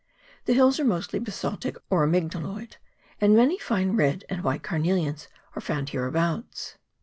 The hills are mostly basaltic or amygdaloid, and many fine red and white carnelians are found hereabouts.